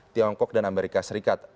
tiongkok dan amerika serikat